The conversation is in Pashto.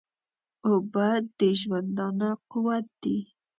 اوبه د ژوندانه قوت دي